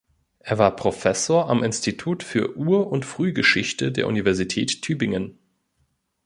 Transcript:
Er war Professor am Institut für Ur- und Frühgeschichte der Universität Tübingen.